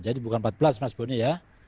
jadi bukan empat belas mas boni ya